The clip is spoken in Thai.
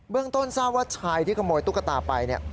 เบื้องต้นทราบว่าชายที่ขโมยตุ๊กตาไป